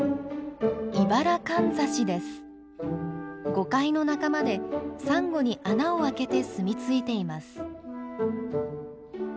ゴカイの仲間でサンゴに穴を開けて住み着いています。